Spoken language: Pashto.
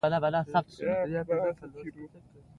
امیر د برټانوي استازي پر ځای خپل استازی لېږل غوره وبلل.